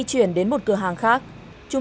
thường nhận bảo hành ở